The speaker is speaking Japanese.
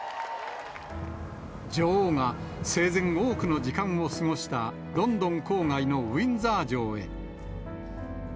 女王が生前、多くの時間を過ごした、ロンドン郊外のウィンザー城へ。